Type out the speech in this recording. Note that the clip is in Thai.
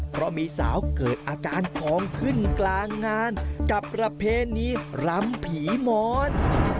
เพราะมีสาวเกิดอาการของขึ้นกลางงานกับประเพณีรำผีหมอน